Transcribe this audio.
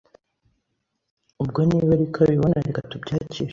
ubwo niba ariko abibona reka tubyakire,